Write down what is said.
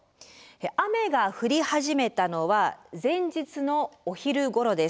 雨が降り始めたのは前日のお昼ごろです。